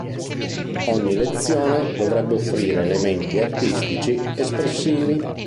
Ogni lezione dovrebbe offrire elementi artistici, espressivi.